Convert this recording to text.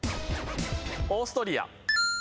オーストリア。